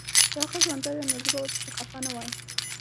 که هغه ژوندی وای نو زه به ورپسي خپه نه وای